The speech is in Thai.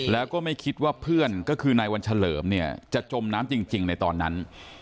แล้วก็ไม่คิดว่าเพื่อนก็คือนายวันเฉลิมเนี่ยจะจมน้ำจริงในตอนนั้น